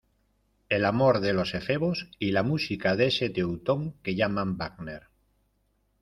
el amor de los efebos y la música de ese teutón que llaman Wagner.